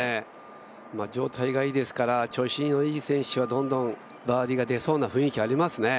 状態がいいですから調子のいい選手はどんどんバーディーが出そうな雰囲気ありますね。